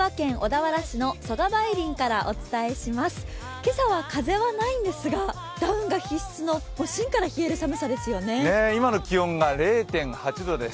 今朝は風はないんですが、ダウンが必須の今の気温は０．８度です。